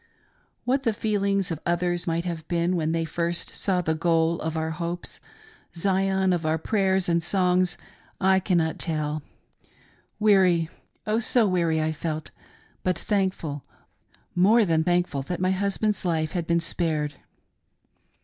" What the feelings of others might have been when they first saw the goal of our hopes — Zion of our prayers and songs — I cannot tell. Weary, Oh, so weary I felt, but thank ful, more than thankful that my husband's life had been spared.